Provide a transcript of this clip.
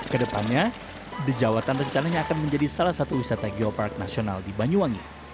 kedepannya the jawatan rencananya akan menjadi salah satu wisata geopark nasional di banyuwangi